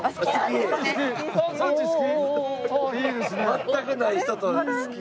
全くない人と好き。